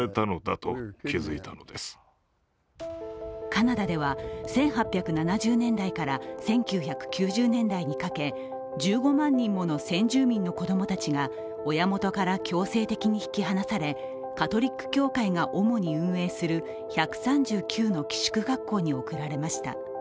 カナダでは１８７０年代から１９９０年代にかけ、１５万人もの、先住民の子供たちが親元から強制的に引き離されカトリック教会が主に運営する１３９の寄宿学校に送られました。